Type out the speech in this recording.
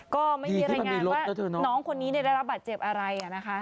ก็ไม่มีรายงานว่าน้องคนนี้ได้รับบาดเจ็บอะไรนะคะ